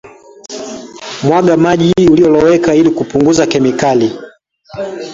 mwaga maji uliyolowekea ili kupunguza kemikali ya phytates